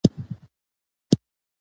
په همدې میتود کولای شو هره موضوع وڅېړو.